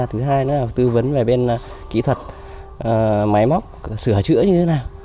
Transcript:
thứ hai nữa là tư vấn về bên kỹ thuật máy móc sửa chữa như thế nào